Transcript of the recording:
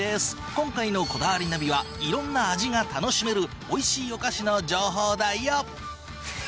今回の『こだわりナビ』は色んな味が楽しめる美味しいお菓子の情報だよ！